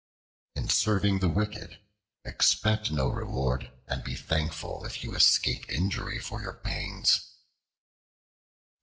In serving the wicked, expect no reward, and be thankful if you escape injury for your pains.